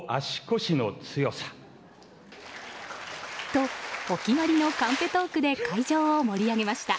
と、お決まりのカンペトークで会場を盛り上げました。